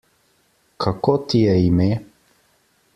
Kako ti je ime?